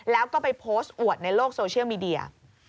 แล้วก็ไปโพสต์อวดในโลกโซเชียลมีเดีย